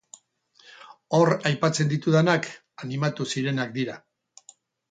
Hor aipatzen ditudanak animatu zirenak dira.